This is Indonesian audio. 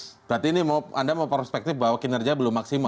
berarti ini anda mau perspektif bahwa kinerja belum maksimal